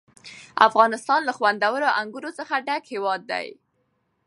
افغانستان له خوندورو انګورو څخه ډک هېواد دی.